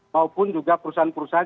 maupun juga perusahaan perusahaan